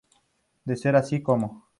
De ser así, ¿cómo?